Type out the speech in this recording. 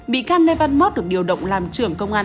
bị can lê văn mót được điều động làm trưởng công an